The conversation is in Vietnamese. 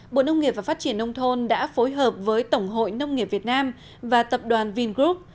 bộ nông nghiệp và phát triển nông thôn đã phối hợp với tổng hội nông nghiệp việt nam và tập đoàn vingroup